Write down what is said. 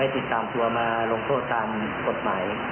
ติดตามตัวมาลงโทษตามกฎหมาย